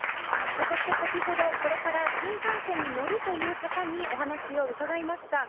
そして先ほどこれから新幹線に乗るという方にお話を伺いました。